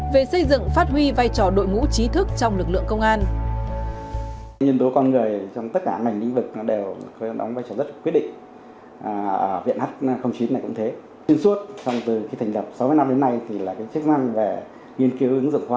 về xây dựng phát huy vai trò đội ngũ trí thức trong lực lượng công an